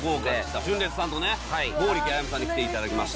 純烈さんとね、剛力彩芽さんに来ていただきまして。